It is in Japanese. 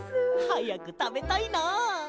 はやくたべたいな。